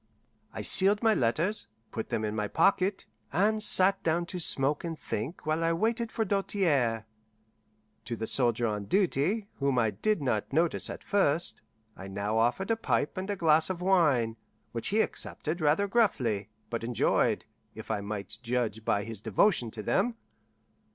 I sealed my letters, put them in my pocket, and sat down to smoke and think while I waited for Doltaire. To the soldier on duty, whom I did not notice at first, I now offered a pipe and a glass of wine, which he accepted rather gruffly, but enjoyed, if I might judge by his devotion to them.